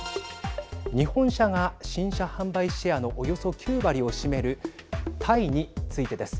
日本車が新車販売シェアのおよそ９割を占めるタイについてです。